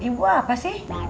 ibu apa sih